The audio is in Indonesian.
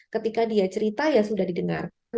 ketika dia cerita ya sudah didengar